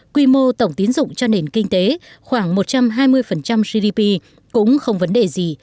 quy mô tổng tín dụng cho nền kinh tế khoảng một trăm hai mươi gdp cũng không vấn đề gì